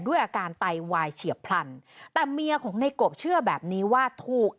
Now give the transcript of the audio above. ด้วยอาการไตวายเฉียบพลันแต่เมียของในกบเชื่อแบบนี้ว่าถูก